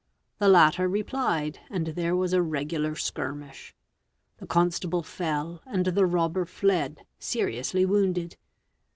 The latter replied and there was a regular skirmish. 'The constable fell and the robber fled seriously wounded.